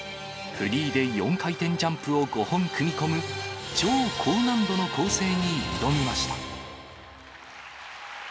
フリーで４回転ジャンプを５本組み込む超高難度の構成に挑みました。